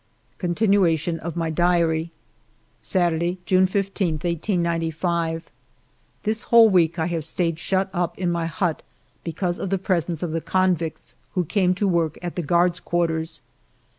Continuation of my Diary Saturday^ June 15, 1895. This whole week I have stayed shut up in my hut because of the presence of the convicts, who came to work at the guards' quarters.